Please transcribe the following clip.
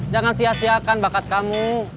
jangan sia siakan bakat kamu